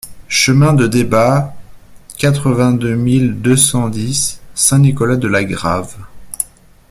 Chemin de Débat, quatre-vingt-deux mille deux cent dix Saint-Nicolas-de-la-Grave